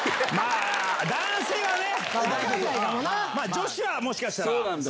女子はもしかしたら。